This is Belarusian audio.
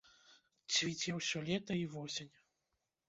Цвіце ўсё лета і восень.